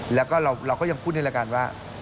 แล้วก็เราก็ยังพูดในรายการว่า